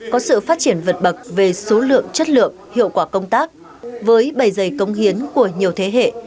có sự phát triển vượt bậc về số lượng chất lượng hiệu quả công tác với bầy dày công hiến của nhiều thế hệ